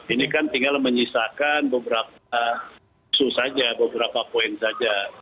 ini kan tinggal menyisakan beberapa isu saja beberapa poin saja